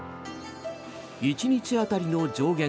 １日当たりの上限